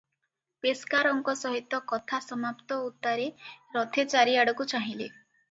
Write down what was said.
ପେସ୍କାରଙ୍କ ସହିତ କଥା ସମାପ୍ତ ଉତ୍ତାରେ ରଥେ ଚାରିଆଡ଼କୁ ଚାହିଁଲେ ।